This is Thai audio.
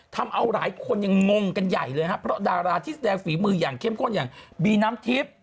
ทำเอาหลายคนยังงงกันใหญ่เลยครับเพราะดาราที่แสดงฝีมืออย่างเข้มข้นอย่างบีน้ำทิพย์